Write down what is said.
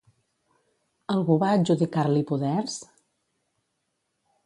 Algú va adjudicar-li poders?